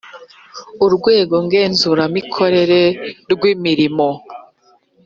urwego ngenzuramikorere rw imirimo